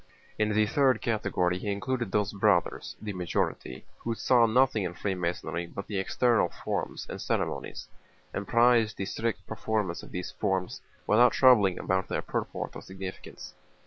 In the third category he included those Brothers (the majority) who saw nothing in Freemasonry but the external forms and ceremonies, and prized the strict performance of these forms without troubling about their purport or significance.